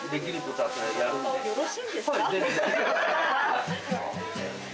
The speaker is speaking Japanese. よろしいんですか？